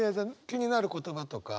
気になる言葉とか。